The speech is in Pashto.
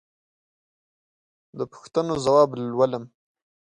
د پوښتنو ځواب لولم.